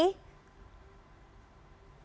tidak tidak akan diputuskan pada hari ini